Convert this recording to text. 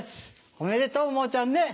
おめでとう桃ちゃんね。